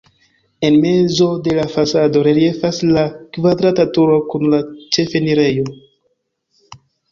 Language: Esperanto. En mezo de la fasado reliefas la kvadrata turo kun la ĉefenirejo.